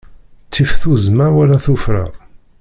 Ttif tuzzma wala tuffra.